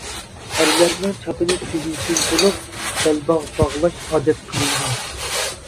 ئەرلەرنىڭ چاپىنى تۈگمىسىز بولۇپ، بەلباغ باغلاش ئادەت قىلىنغان.